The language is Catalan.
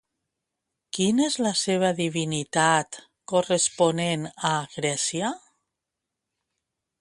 Quina és la seva divinitat corresponent a Grècia?